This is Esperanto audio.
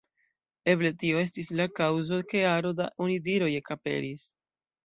Eble tio estis la kaŭzo, ke aro da onidiroj ekaperis.